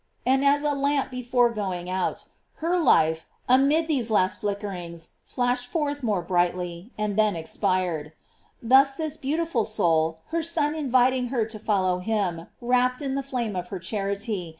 And as a lamp before going out, her life, amid these last flickerings, flashed forth more brightly, and then expired. Thus, this beautiful soul, her Son inviting her to follow him, wrapped in the flame of her charity * App. S. gio. Dam.